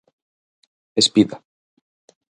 Espida.